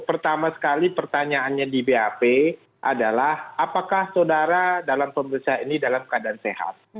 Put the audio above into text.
pertama sekali pertanyaannya di bap adalah apakah saudara dalam pemeriksaan ini dalam keadaan sehat